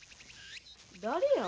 誰や？